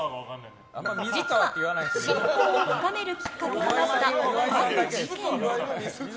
実は親交を深めるきっかけとなった、ある事件が。